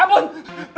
ampun beb ampun